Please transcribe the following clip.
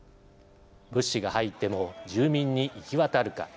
物資が入っても住民に行き渡るか。